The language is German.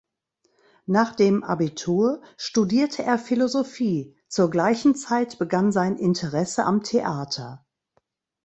Nach dem Abitur studierte er Philosophie, zur gleichen Zeit begann sein Interesse am Theater.